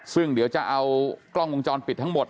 ซึ่งเดี๋ยวจะเอากล้องวงจรปิดทั้งหมด